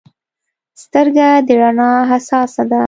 سترګه د رڼا حساسه ده.